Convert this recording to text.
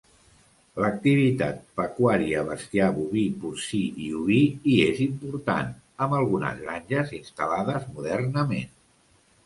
L'activitat pecuària -bestiar boví, porcí i oví- hi és important, amb algunes granges instal·lades modernament.